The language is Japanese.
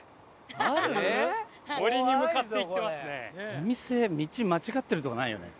お店道間違ってるとかないよね？